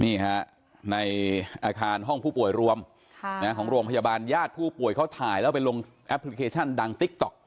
นี่ฮะในอาคารห้องผู้ป่วยรวมของโรงพยาบาลญาติผู้ป่วยเขาถ่ายแล้วไปลงแอปพลิเคชันดังติ๊กต๊อก